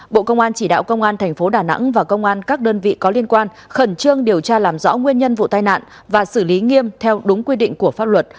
bộ công an chỉ đạo công an thành phố đà nẵng và công an các đơn vị có liên quan khẩn trương điều tra làm rõ nguyên nhân vụ tai nạn và xử lý nghiêm theo đúng quy định của pháp luật